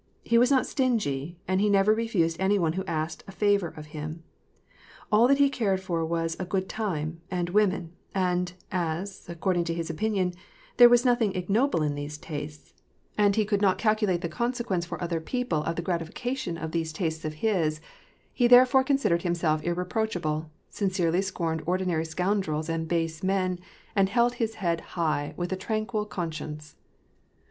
He was not stingy, and he never refused any one who asked a favor of him. All that he cared for was " a good time " and women, and as, according to his opinion, there was nothing ignoble in these tastes, and he WAR AND PEACE. 851 could not calculate the consequence for other people of the gratification of these tastes of his, he therefore considered himself irreproachable^ sincerely scorned ordinary scoundrels and base men, and held his head high with a tranquil con science.